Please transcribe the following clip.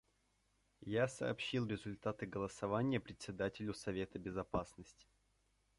Я сообщил результаты голосования Председателю Совета Безопасности.